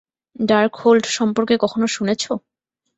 Darkhold সম্পর্কে কখনো শুনেছো?